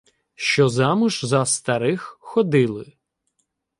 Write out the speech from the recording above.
Що замуж за старих ходили